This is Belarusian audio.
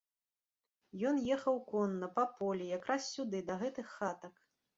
Ён ехаў конна па полі якраз сюды, да гэтых хатак.